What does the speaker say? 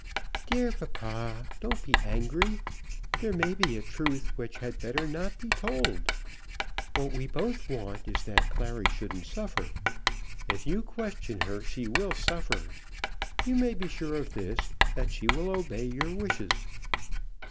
"Dear papa, don't be angry. There may be a truth which had better not be told. What we both want is that Clary shouldn't suffer. If you question her she will suffer. You may be sure of this, that she will obey your wishes."